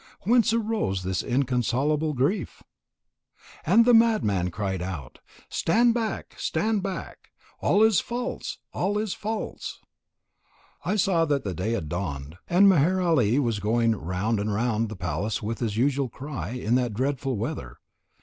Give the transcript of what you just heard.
Whence arose this inconsolable grief? And the mad man cried out: "Stand back! Stand back!! All is false! All is false!!" I saw that the day had dawned, and Meher Ali was going round and round the palace with his usual cry in that dreadful weather.